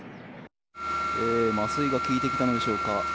麻酔が効いてきたのでしょうか。